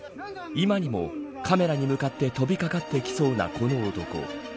今にもカメラに向かって跳びかかってきそうなこの男。